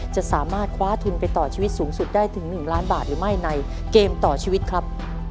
จะสามารถคว้าทุนไปต่อชีวิตสูงสุดได้ถึง๑ล้านบาทหรือไม่ในเกมต่อชีวิตครับ